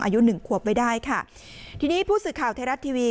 อายุหนึ่งขวบไว้ได้ค่ะทีนี้ผู้สื่อข่าวไทยรัฐทีวี